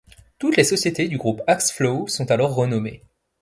Toutes les sociétés du groupe AxFlow sont alors renommées.